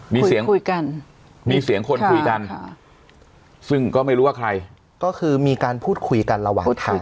มีเสียงคุยกันมีเสียงคนคุยกันซึ่งก็ไม่รู้ว่าใครก็คือมีการพูดคุยกันระหว่างทาง